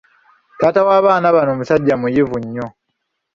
Taata w'abaana bano musajja muyivu nnyo.